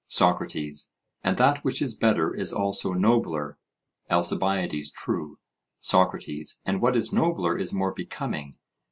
SOCRATES: And that which is better is also nobler? ALCIBIADES: True. SOCRATES: And what is nobler is more becoming?